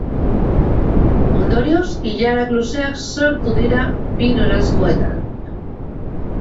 Ondorioz, ilarak luzeak sortu dira bi noranzkoetan.